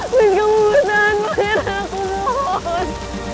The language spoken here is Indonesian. biar kamu bertahan pang elan aku mohon